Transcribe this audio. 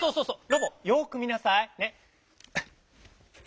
ロボよく見なさい。ね。